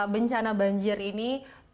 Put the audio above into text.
bencana banjir ini